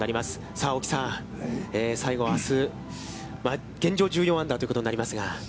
さあ青木さん、最後、あす、現状１４アンダーということになりますが。